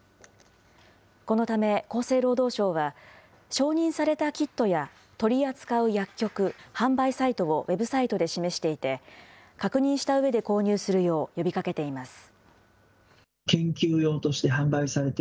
このため厚生労働省は、承認されたキットや、取り扱う薬局、販売サイトをウェブサイトで示していて、確認したうえで購入するよう呼びかけています。